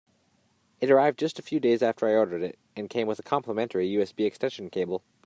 It arrived just a few days after I ordered it, and came with a complementary USB extension cable.